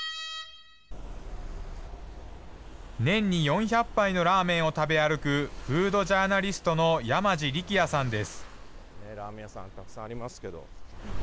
年に４００杯のラーメンを食べ歩く、フードジャーナリストの山路力也さんです。